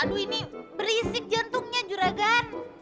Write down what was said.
aduh ini berisik jantungnya juragan